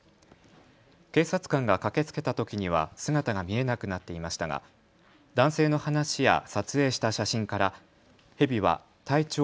警察官が駆けつけたときには姿が見えなくなっていましたが男性の話や撮影した写真からヘビは体長